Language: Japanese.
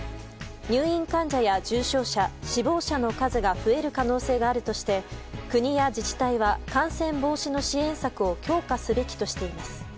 入院患者や重症者、死亡者の数が増える可能性があるとして国や自治体は感染防止の支援策を強化すべきとしています。